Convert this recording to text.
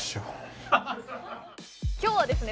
今日はですね